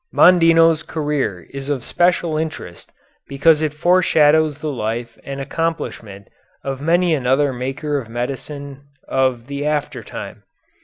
Mondino's career is of special interest because it foreshadows the life and accomplishment of many another maker of medicine of the after time.